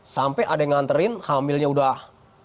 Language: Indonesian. sampai ada yang nganterin hamilnya udah